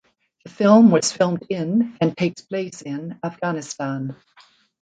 The film was filmed in and takes place in Afghanistan.